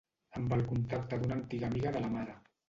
Amb el contacte d’una antiga amiga de la mare.